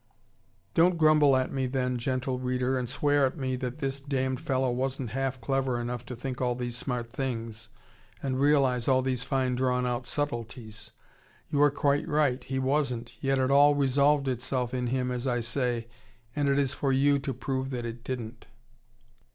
Don't grumble at me then, gentle reader, and swear at me that this damned fellow wasn't half clever enough to think all these smart things, and realise all these fine drawn out subtleties. You are quite right, he wasn't, yet it all resolved itself in him as I say, and it is for you to prove that it didn't.